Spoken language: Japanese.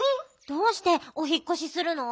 どうしておひっこしするの？